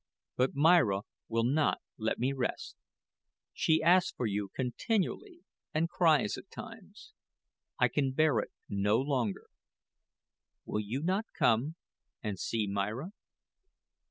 But Myra will not let me rest. She asks for you continually and cries at times. I can bear it no longer. Will you not come and see Myra?"